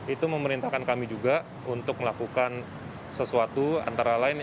itu memerintahkan kami juga untuk melakukan sesuatu antara lain